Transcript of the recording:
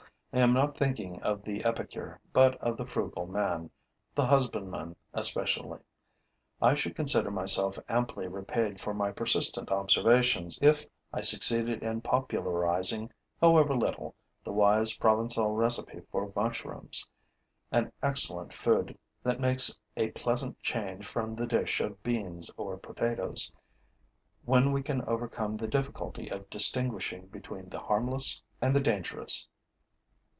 I am not thinking of the epicure, but of the frugal man, the husbandman especially. I should consider myself amply repaid for my persistent observations if I succeeded in popularizing, however little, the wise Provencal recipe for mushrooms, an excellent food that makes a pleasant change from the dish of beans or potatoes, when we can overcome the difficulty of distinguishing between the harmless and the dangerous.